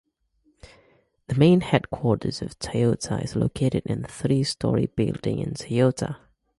The main headquarters of Toyota is located in a three story building in Toyota.